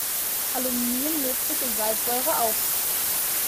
Aluminium löst sich in Salzsäure auf.